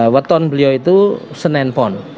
waton beliau itu senenpon